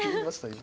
今。